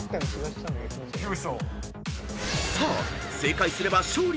［さあ正解すれば勝利の大一番］